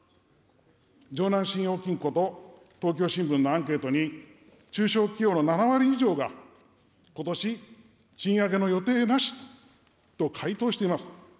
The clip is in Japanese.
城南信用金庫と東京新聞のアンケートに、中小企業の７割以上がことし、賃上げの予定なしと回答しています。